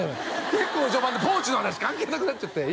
結構序盤でポーチの話関係なくなっちゃったよ！